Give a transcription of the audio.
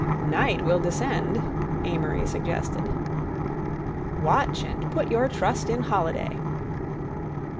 "Night will descend," Amory suggested. "Watch, and put your trust in Holiday."